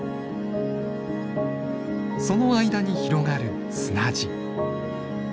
その間に広がる砂地。